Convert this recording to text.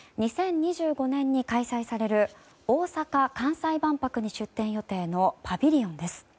２０２５年に開催される大阪・関西万博に出展予定のパビリオンです。